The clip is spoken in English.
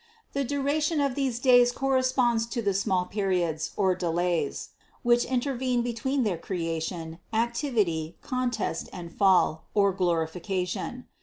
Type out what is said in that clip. The duration of these days corresponds to the small periods, or delays, which inter vened between their creation, activity, contest and fall, or glorification.